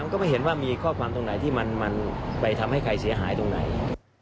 ก็ไม่เห็นว่ามีข้อความตรงไหนที่มันไปทำให้ใครเสียหายตรงไหน